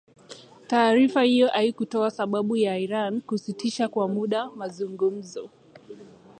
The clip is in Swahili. Taarifa hiyo haikutoa sababu ya Iran kusitisha kwa muda mazungumzo